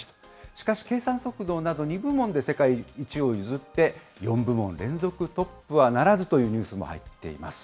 しかし計算速度など２部門で世界一を譲って、４部門連続トップはならずというニュースも入ってきています。